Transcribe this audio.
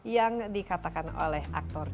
yang dikatakan oleh aktor